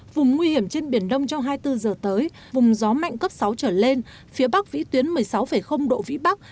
vùng nguy hiểm trên biển đông trong hai mươi bốn giờ tới vùng gió mạnh cấp sáu trở lên phía bắc vĩ tuyến một mươi sáu độ vĩ bắc